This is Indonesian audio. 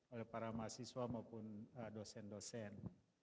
oleh para mahasiswa maupun dosen dosen